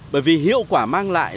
bởi vì hiệu quả mang lại